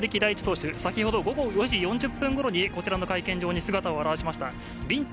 高知高校の森木大智投手、先ほど、午後４時４０分ごろに、こちらの会見場に姿を現しました。